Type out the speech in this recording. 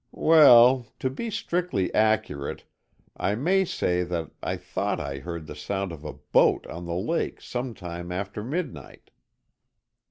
"Well, to be strictly accurate, I may say that I thought I heard the sound of a boat on the lake some time after midnight."